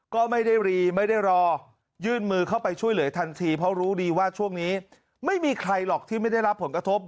ก็ไม่ได้รีไม่ได้รอยื่นมือเข้าไปช่วยเหลือทันทีเพราะรู้ดีว่าช่วงนี้ไม่มีใครหรอกที่ไม่ได้รับผลกระทบ